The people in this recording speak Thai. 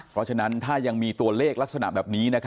เพราะฉะนั้นถ้ายังมีตัวเลขลักษณะแบบนี้